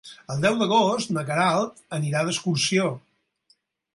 El deu d'agost na Queralt anirà d'excursió.